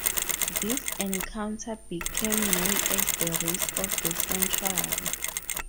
This encounter became known as the Race of the Century.